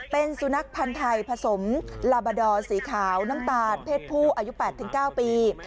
เป็นสุนัขพันธ์ไทยผสมลาบาดอร์สีขาวน้ำตาลเพศผู้อายุ๘๙ปี